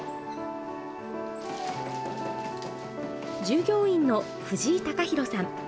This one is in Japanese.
従業員の藤井貴寛さん。